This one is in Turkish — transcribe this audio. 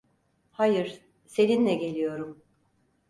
Hayır, seninle geliyorum.